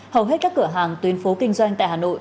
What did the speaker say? hầu hết các cửa hàng tuyến phố kinh doanh tại hà nội